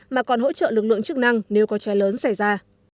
mà còn hỗ trợ lực lượng chức năng nếu có cháy lớn xảy ra